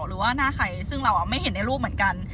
หรือว่าหน้าใครซึ่งเราไม่เห็นในรูปเหมือนกัน